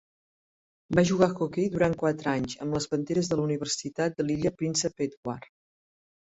Va jugar hoquei durant quatre anys amb les Panteres de la Universitat de l'illa Príncep Edward.